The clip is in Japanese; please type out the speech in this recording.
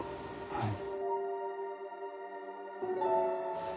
はい。